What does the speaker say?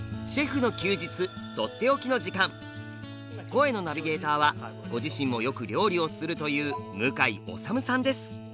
声のナビゲーターはご自身もよく料理をするという向井理さんです。